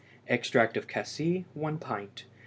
Extract of cassie 1 pint.